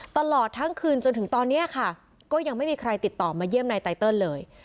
ตลอดทั้งคืนจนถึงตอนนี้ค่ะก็ยังไม่มีใครติดต่อมาเยี่ยมนายไตเติลเลย